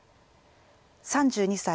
３２歳。